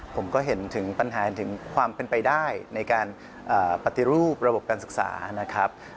ผมก็เห็นถึงปัญหาถึงความเป็นไปได้ในการปฏิรูประบบการศึกษานะครับ